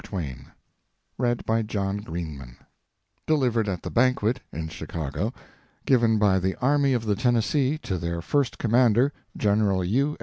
THE BABIES THE BABIES DELIVERED AT THE BANQUET, IN CHICAGO, GIVEN BY THE ARMY OF THE TENNESSEE TO THEIR FIRST COMMANDER, GENERAL U.